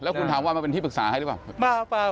คุณถามว่ามาเป็นที่ปรึกษาให้หรือเปล่า